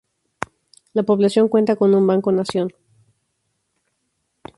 La población cuenta con un Banco Nación.